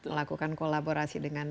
melakukan kolaborasi dengan